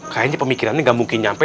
kayaknya pemikirannya gak mungkin nyampe